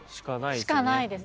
しかないです。